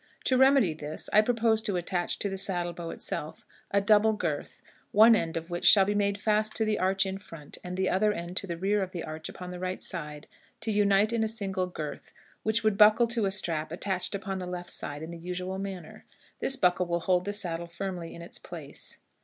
To remedy this, I propose to attach to the saddle bow itself a double girth, one end of which shall be made fast to the arch in front, and the other end to the rear of the arch upon the right side, to unite in a single girth, which would buckle to a strap attached upon the left side in the usual manner. This buckle will hold the saddle firmly in its place.